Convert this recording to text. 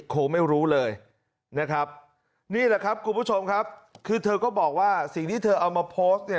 โค้งไม่รู้เลยนี่แหละครับคุณผู้ชมคือเธอก็บอกว่าสิ่งที่เธอเอามาโพสต์